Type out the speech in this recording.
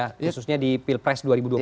khususnya di pilpres dua ribu dua puluh empat